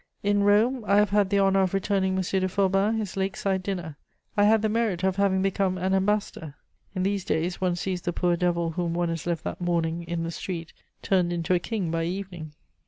In Rome, I have had the honour of returning M. de Forbin his lake side dinner; I had the merit of having become an ambassador. In these days one sees the poor devil whom one has left that morning in the street turned into a king by evening.